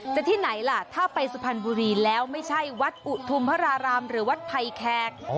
แต่ที่ไหนล่ะถ้าไปสุพรรณบุรีแล้วไม่ใช่วัดอุทุมพระรารามหรือวัดไผ่แขก